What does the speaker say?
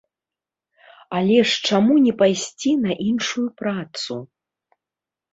Але ж чаму не пайсці на іншую працу?